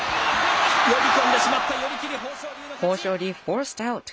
呼び込んでしまった、寄り切り、豊昇龍の勝ち。